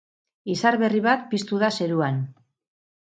Izar berri bat piztu da zeruan.